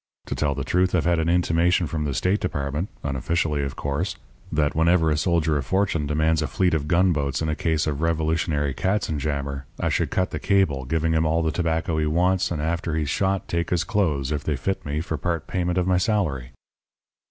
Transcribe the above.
To tell the truth, I've had an intimation from the State Department unofficially, of course that whenever a soldier of fortune demands a fleet of gunboats in a case of revolutionary katzenjammer, I should cut the cable, give him all the tobacco he wants, and after he's shot take his clothes, if they fit me, for part payment of my salary.'